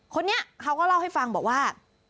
คนนี้เขาก็เล่าให้ฟังบอกว่า